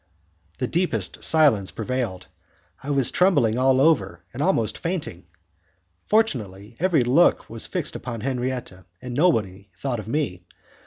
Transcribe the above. The deepest silence prevailed. I was trembling all over, and almost fainting. Fortunately every look was fixed upon Henriette, and nobody thought of me.